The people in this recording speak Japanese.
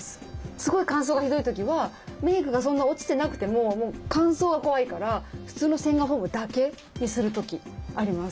すごい乾燥がひどい時はメークがそんな落ちてなくても乾燥が怖いから普通の洗顔フォームだけにする時あります。